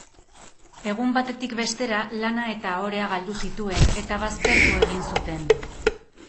Egun batetik bestera, lana eta ohorea galdu zituen eta baztertu egin zuten.